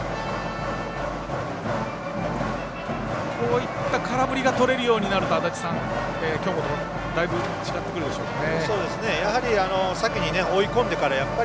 こういった空振りがとれるようになると京本もだいぶ違ってくるでしょうかね。